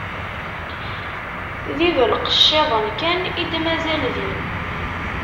D ibelqecciḍen kan i d-mazal din.